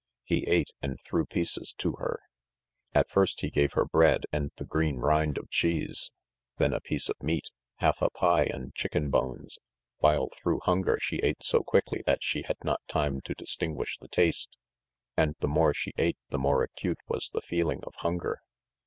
He ate and threw pieces to her. ... At first he gave her bread and the green rind of cheese, then a piece of meat, half a pie and chicken bones, while through hunger she ate so quickly that she had not time to distinguish the taste, and the more she ate the more acute was the feeling of hunger.